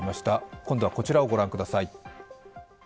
今度はこちらをご覧ください。